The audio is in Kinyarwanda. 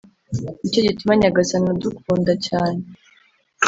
Ni cyo gituma, Nyagasani adukunda cyane